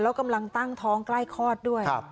แล้วกำลังตั้งท้องใกล้คลอดด้วย